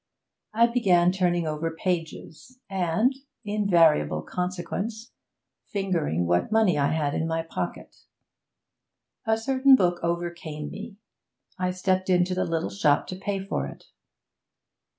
I began turning over pages, and invariable consequence fingering what money I had in my pocket. A certain book overcame me; I stepped into the little shop to pay for it.